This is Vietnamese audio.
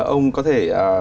ông có thể